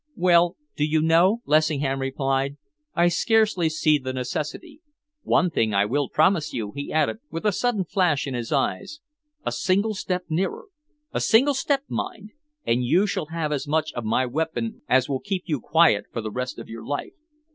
"Well, do you know," Lessingham replied, "I scarcely see the necessity. One thing I will promise you," he added, with a sudden flash in his eyes, "a single step nearer a single step, mind and you shall have as much of my weapon as will keep you quiet for the rest of your life.